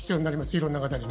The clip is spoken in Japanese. いろんな方に。